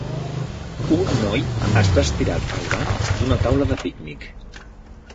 Un noi està estirat al banc d'una taula de pícnic.